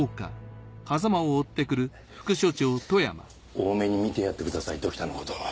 大目に見てやってください時田のこと。